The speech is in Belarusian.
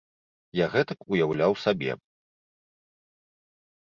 Я гэтак уяўляў сабе.